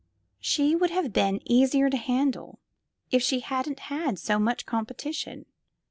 She would have been easier to manage if she hadn't had so much competition.